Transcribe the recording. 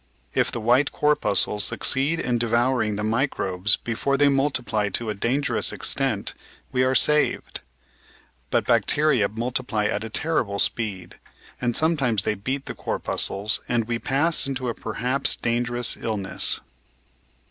If the white 832 The Outline of Science corpuscles succeed in devouring the microbes before they multiply to a dangerous extent, we are saved. But bacteria multiply at a terrible speed, and sometimes they beat the corpuscles and we pass into a perhaps dangerous illness.